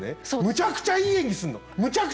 むちゃくちゃいい演技すんの。